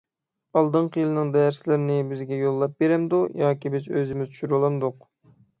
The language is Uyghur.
ئالدىنقى يىللىقنىڭ دەرسلىرىنى بىزگە يوللاپ بېرەمدۇ ياكى بىز ئۆزىمىز چۈشۈرۈۋالامدۇق؟